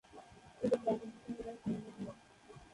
এটি বঙ্গোপসাগরের সংলগ্ন।